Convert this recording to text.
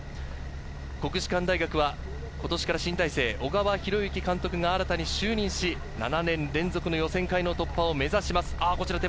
国士舘大学は今年から新体制、小川博之監督が新たに就任し、７年連続の予選会の突破を目指します。